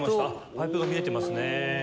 パイプが見えてますね。